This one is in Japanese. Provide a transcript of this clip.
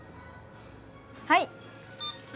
はい。